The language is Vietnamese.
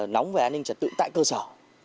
nóng về an ninh trật tự tại cơ sở